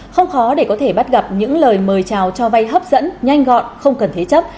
không khó để có thể bắt gặp những lời mời chào cho vay hấp dẫn nhanh gọn không cần thế chấp